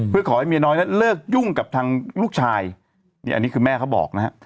เพื่อขอให้เมียน้อยนั้นเลิกยุ่งกับทางลูกชายนี่อันนี้คือแม่เขาบอกนะฮะ